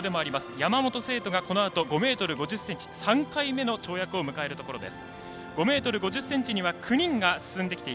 山本聖途がこのあと５ｍ５０ｃｍ、３回目の跳躍を迎えるところです。